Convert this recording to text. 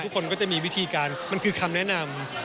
คนก็จะมีวิธีการมันคือคำแนะนำ